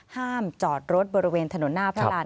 ห้ามจอดรถบริเวณถนนหน้าพระราน